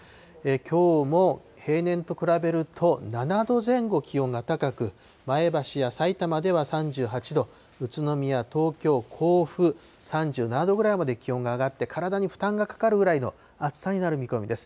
きょうも平年と比べると、７度前後気温が高く、前橋やさいたまでは３８度、宇都宮、東京、甲府、３７度ぐらいまで気温が上がって、体に負担がかかるぐらいの暑さになる見込みです。